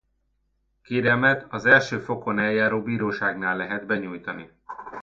A kérelmet az első fokon eljáró bíróságnál lehet benyújtani.